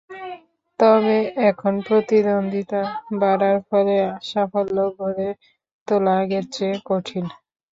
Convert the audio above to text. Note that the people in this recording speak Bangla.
তবে এখন প্রতিদ্বন্দ্বিতা বাড়ার ফলে সাফল্য ঘরে তোলা আগের চেয়ে কঠিন।